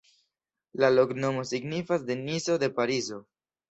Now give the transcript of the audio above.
La loknomo signifas: Denizo de Parizo.